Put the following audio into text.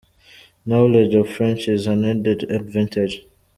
Knowledge of French is an added advantage.